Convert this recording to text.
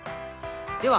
では